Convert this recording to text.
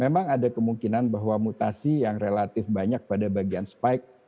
memang ada kemungkinan bahwa mutasi yang relatif banyak pada bagian spike